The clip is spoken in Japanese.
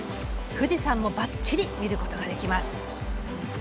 富士山もばっちり見ることができます。